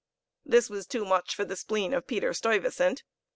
This was too much for the spleen of Peter Stuyvesant.